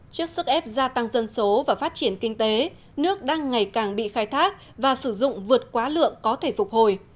trước sức ép gia tăng dân số và phát triển kinh tế nước đang ngày càng bị khai thác và sử dụng vượt quá lượng có thể phục hồi